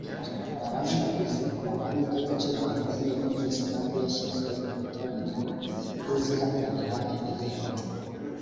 Balaba yavuze ko ari iby’agaciro gakomeye kuba iyi stade yashyizwe ku rutonde rw’izihatanira ibihembo